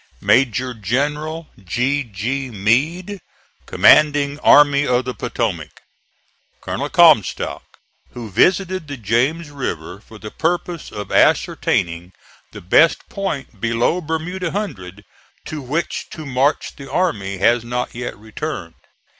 MAJOR GENERAL G. G. MEADE, Commanding Army of the Potomac. Colonel Comstock, who visited the James River for the purpose of ascertaining the best point below Bermuda Hundred to which to march the army has not yet returned.